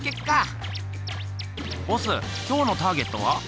ボスきょうのターゲットは？